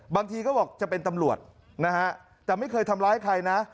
บางทีก็บอกจะเป็นตำรวจนะฮะแต่ไม่เคยทำร้ายใครนะ